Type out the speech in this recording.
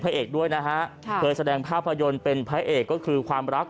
เอกด้วยนะฮะค่ะเคยแสดงภาพยนตร์เป็นพระเอกก็คือความรัก